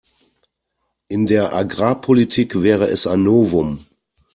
In der Agrarpolitik wäre es ein Novum.